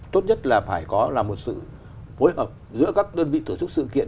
tốt nhất là phải có một sự hối hợp giữa các đơn vị tổ chức sự kiện